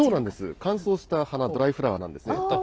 乾燥した花、ドライフラワーなんですね。